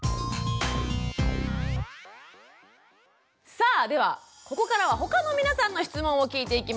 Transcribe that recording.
さあではここからは他の皆さんの質問を聞いていきましょう。